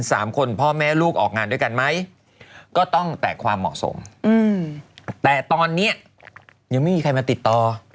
สามคนพ่อแม่ลูกออกงานด้วยกันไหมก็ต้องแต่ความเหมาะสมอืมแต่ตอนเนี้ยยังไม่มีใครมาติดต่อ